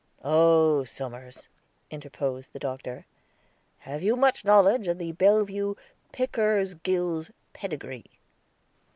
"Oh, Somers," interposed the Doctor, "have you much knowledge of the Bellevue Pickersgills' pedigree?"